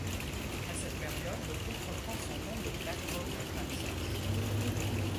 À cette période, le groupe reprend son nom de Black Oak Arkansas.